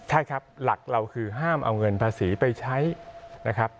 ใช่ครับหลักเราคือห้ามเอาเงินภาษีไปใช้นะครับ